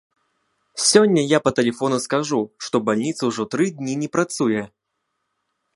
Сёння я па тэлефону скажу, што бальніца ўжо тры дні не працуе!